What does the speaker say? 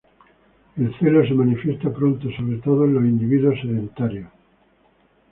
El celo se manifiesta pronto, sobre todo en los individuos sedentarios.